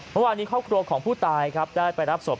เมื่อวานนี้ครอบครัวของผู้ตายครับได้ไปรับศพ